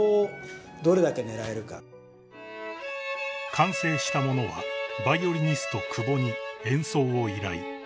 ［完成した物はバイオリニスト久保に演奏を依頼］